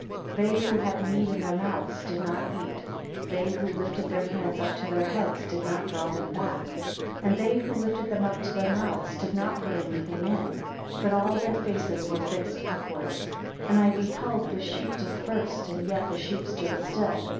4 They who had meat in their mouths did not eat. 5 They who lifted their hands up to their heads did not draw them back, 6 And they who lifted them up to their mouths did not put any thing in; 7 But all their faces were fixed upwards. 8 And I beheld the sheep dispersed, and yet the sheep stood still.